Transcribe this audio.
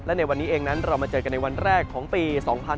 และในวันนี้เองนั้นเรามาเจอกันในวันแรกของปี๒๕๖๒